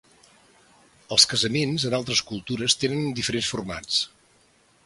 Els casaments en altres cultures tenen diferents formats.